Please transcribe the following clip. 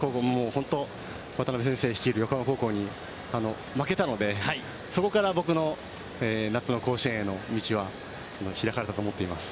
本当渡辺先生率いる横浜高校に負けたのでそこから僕の夏の甲子園への道は開かれたと思っています。